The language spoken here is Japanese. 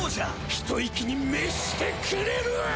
ひと息に滅してくれるわ！